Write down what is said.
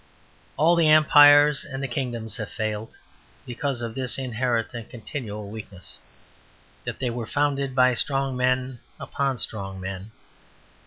All the empires and the kingdoms have failed, because of this inherent and continual weakness, that they were founded by strong men and upon strong men.